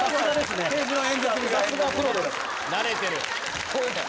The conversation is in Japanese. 慣れてる。